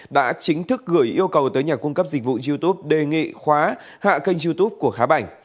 đã chính thức gửi yêu cầu tới nhà cung cấp dịch vụ youtube đề nghị khóa hạ kênh youtube của khá bảnh